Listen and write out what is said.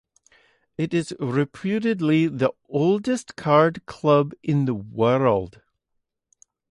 It is reputedly the oldest card club in the world.